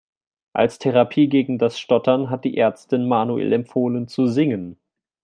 Als Therapie gegen das Stottern hat die Ärztin Manuel empfohlen zu singen.